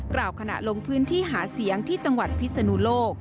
กล่าวขณะลงพื้นที่หาเสียงที่จังหวัดพิศนุโลก